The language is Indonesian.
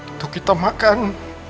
untuk kita makan